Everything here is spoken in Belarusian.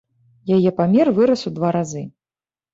Яе памер вырас у два разы.